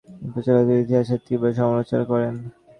তিনি প্রচলিত ইতিহাসের তীব্র সমালােচনা করেন।